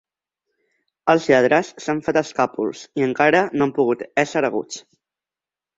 Els lladres s'han fet escàpols i encara no han pogut ésser haguts.